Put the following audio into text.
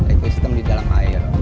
ekosistem di dalam air